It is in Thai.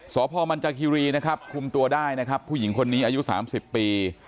สพมันจากคิรีนะครับคุมตัวได้นะครับผู้หญิงคนนี้อายุ๓๐ปี